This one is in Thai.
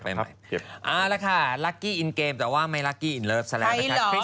เอาละค่ะลัคกิอินเกมแต่ว่าไม่ลัคกิอินเเลือพซันแล้วนะคริสเฮาว่าง